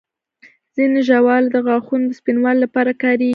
ځینې ژاولې د غاښونو د سپینوالي لپاره کارېږي.